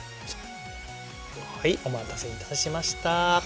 はいお待たせいたしました。